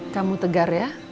kamu tegar ya